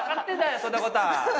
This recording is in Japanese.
そんなことは。